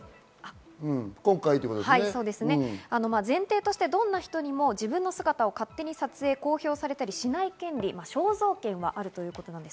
前提としてどんな人にも自分の姿を勝手に撮影、公表されたりしない権利、肖像権はあるということです。